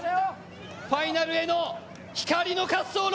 ファイナルへの光の滑走路。